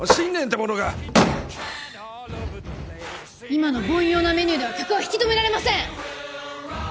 今の凡庸なメニューでは客を引き留められません！